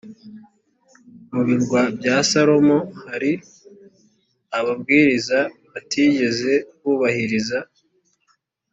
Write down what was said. mu birwa bya salomo hari ababwiriza batigeze bubahiriza